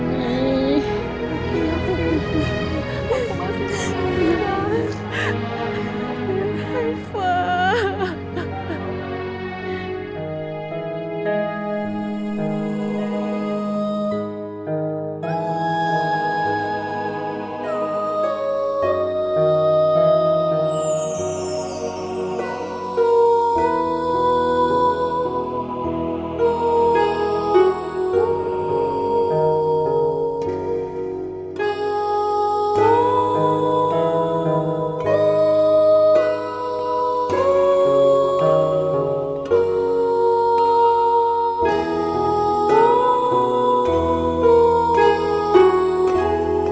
tidak tidak tidak